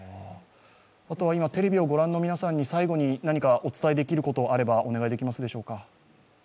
あとは今テレビをご覧のみなさんに最後お伝えできることがあればお願いできますでしょうか。